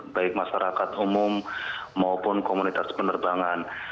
baik masyarakat umum maupun komunitas penerbangan